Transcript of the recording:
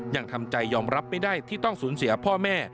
ยังทำใจยอมรับไม่ได้ที่ต้องสูญเสียพ่อแม่